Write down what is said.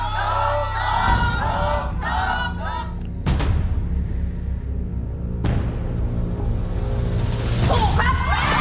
ถูกครับ